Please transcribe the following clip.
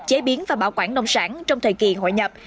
chế biến và bảo quản nông sản trong thời kỳ hội nhập